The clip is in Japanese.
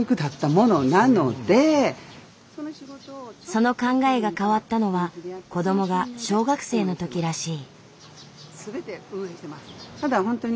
その考えが変わったのは子どもが小学生のときらしい。